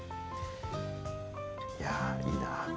いやー、いいな。